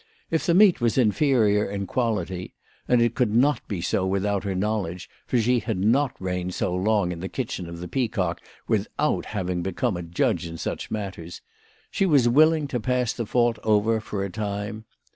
If the meat was inferior in quality, and it could not be so without her knowledge, for she had not reigned so long in the kitchen of the Peacock without having become a judge in such matters, she was willing to pass the fault over for a time.